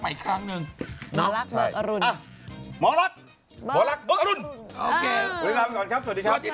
ประมูลตี๕๕๐กลับมาใช่